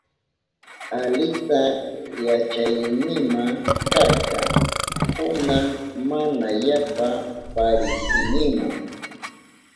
Alita yachakuynima karka, kunan mana yapa parisinima.